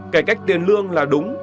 cải cách tiền lương là đúng